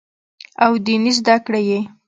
او ديني زدکړې ئې